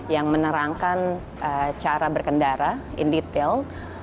yang menerangkan cara berkendara in detail